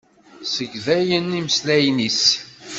Segḍayen imeslayen-is.